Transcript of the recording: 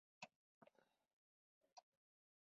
امان الله خان په مکتب کې اول نمره شوی.